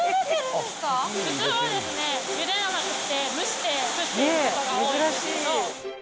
普通はですね、ゆでじゃなくて蒸して作っているところが多いんですけど。